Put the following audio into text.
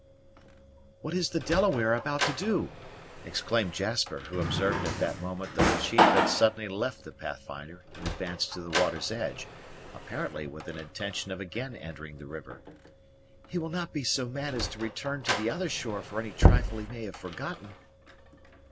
"What is the Delaware about to do?" exclaimed Jasper, who observed at that moment that the chief had suddenly left the Pathfinder and advanced to the water's edge, apparently with an intention of again entering the river. "He will not be so mad as to return to the other shore for any trifle he may have forgotten?"